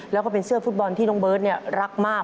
แล้วก็เป็นเสื้อฟุตบอลที่น้องเบิร์ตรักมาก